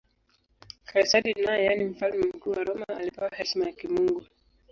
Kaisari naye, yaani Mfalme Mkuu wa Roma, alipewa heshima ya kimungu.